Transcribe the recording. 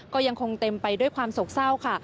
ก็ยังคงเต็มไปด้วยความโศกเศร้าค่ะ